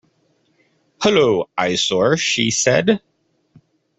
"Hullo, eyesore," she said.